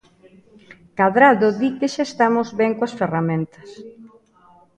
Cadrado di que xa estamos ben coas ferramentas.